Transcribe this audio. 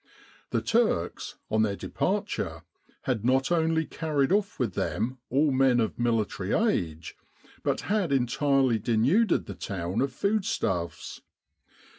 The Turks, on their de parture, had not only carried off with them all men of military age, but had entirely denuded the town of foodstuffs.